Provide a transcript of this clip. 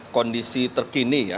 kondisi terkini ya